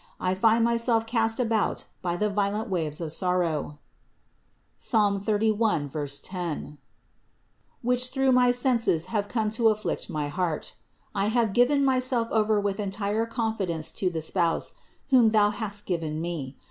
I find myself cast about by the vio lent waves of sorrow (Ps. 31. 10) which through my senses have come to afflict my heart. I have given my self over with entire confidence to the Spouse whom thou hast given me.